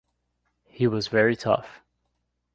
He was very tough.